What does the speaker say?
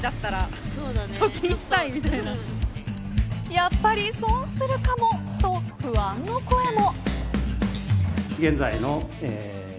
やっぱり損するかもと不安の声も。